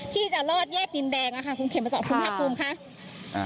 ที่จะรอดแยกดินแดงคุณเข็มสอบคุณหักคลุง